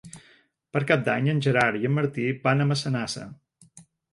Per Cap d'Any en Gerard i en Martí van a Massanassa.